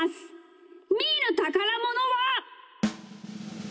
みーのたからものは。